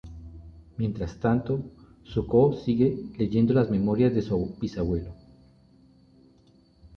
Mientras tanto, Zuko sigue leyendo las memorias de su bisabuelo.